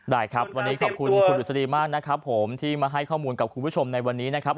ได้ครับวันนี้ขอบคุณคุณดุษฎีมากนะครับผมที่มาให้ข้อมูลกับคุณผู้ชมในวันนี้นะครับ